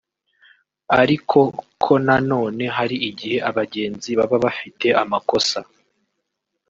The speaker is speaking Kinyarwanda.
ariko ko na none hari igihe abagenzi baba bafite amakosa